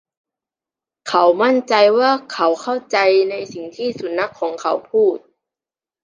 เขามั่นใจว่าเขาเข้าใจในสิ่งที่สุนัขของเขาพูด